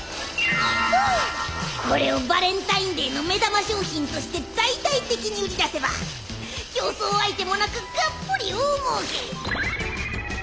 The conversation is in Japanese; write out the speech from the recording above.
これをバレンタインデーの目玉商品として大々的に売り出せば競争相手もなくがっぽり大もうけ！